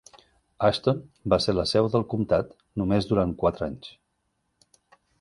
Ashton va ser la seu del comptat només durant quatre anys.